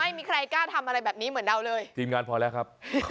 ไม่มีใครกล้าทำอะไรแบบนี้เหมือนเราเลยทีมงานพอแล้วครับ